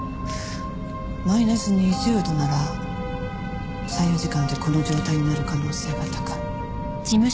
マイナス２０度なら３４時間でこの状態になる可能性が高い。